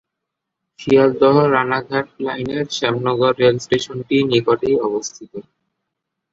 শিয়ালদহ-রানাঘাট লাইনের শ্যামনগর রেলস্টেশনটি নিকটেই অবস্থিত।